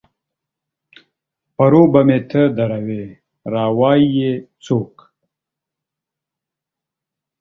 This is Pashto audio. پر و به مې ته دروې ، را وا يي يې څوک؟